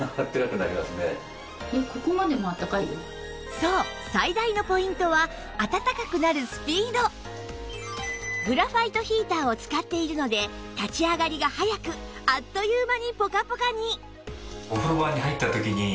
そうグラファイトヒーターを使っているので立ち上がりが早くあっという間にポカポカに